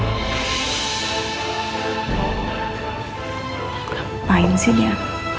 ngapain sih dia